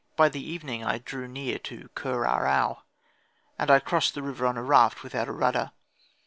By the evening I drew near to Kher ahau (? old Cairo), and I crossed the river on a raft without a rudder.